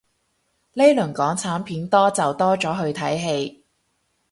呢輪港產片多就多咗去睇戲